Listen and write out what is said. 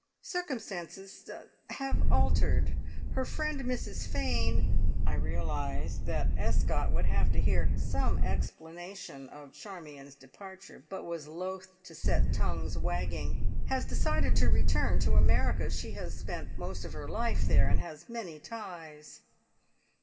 "Circumstances have er altered. Her friend Mrs Fane" (I realised that Escott would have to hear some explanation of Charmion's departure, but was loth to set tongues wagging) "has decided to return to America. She has spent most of her life there, and has many ties."